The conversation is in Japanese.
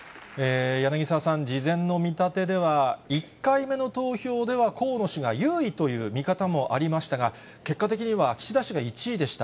柳沢さん、事前の見立てでは１回目の投票では、河野氏が優位という見方もありましたが、結果的には岸田氏が１位でした。